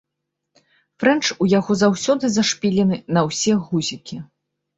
Фрэнч у яго заўсёды зашпілены на ўсе гузікі.